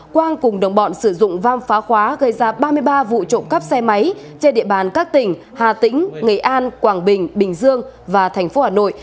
quang cùng đồng bọn sử dụng vang phá khóa gây ra ba mươi ba vụ trộm cắp xe máy trên địa bàn các tỉnh hà tĩnh ngày an quảng bình bình dương và tp hà nội